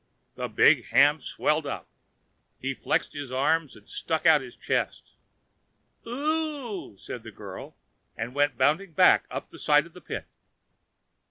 The big ham swelled up. He flexed his arms and stuck out his chest. "OOH!" said the girl, and went bounding back up the side of the pit.